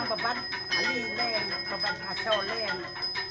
perhubungan darimanai rick